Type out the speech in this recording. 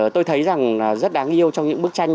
tôi thấy rằng là rất đáng yêu trong những bức tranh này